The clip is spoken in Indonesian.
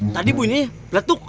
tadi bunyinya beletuk